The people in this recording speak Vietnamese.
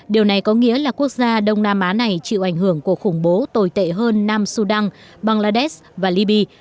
điều này có nghĩa là quốc gia đông nam á này chịu ảnh hưởng của khủng bố tồi tệ hơn nam sudan bangladesh và libya